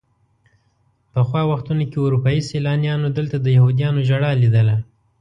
پخوا وختونو کې اروپایي سیلانیانو دلته د یهودیانو ژړا لیدله.